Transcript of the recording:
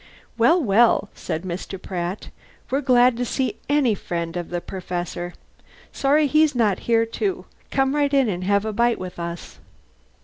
"Well, well," said Mr. Pratt. "We're glad to see any friend of the Perfessor. Sorry he's not here, too. Come right in and have a bite with us."